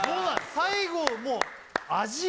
最後もう味？